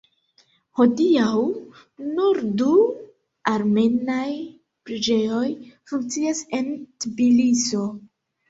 Hodiaŭ nur du armenaj preĝejoj funkcias en Tbiliso.